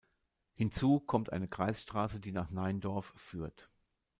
Hinzu kommt eine Kreisstraße, die nach Neindorf führt.